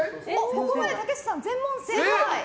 ここまで竹下さんが全問正解。